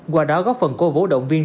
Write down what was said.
qua đó góp phần cô vũ động viên